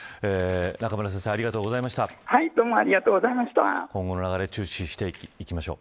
中村先生ありがとうございました。